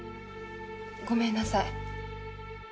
ごめんなさい。